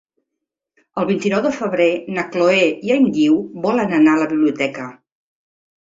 El vint-i-nou de febrer na Chloé i en Guiu volen anar a la biblioteca.